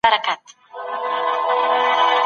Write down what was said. کله د راتلونکي اندېښنې د پرمختګ مخه نیسي؟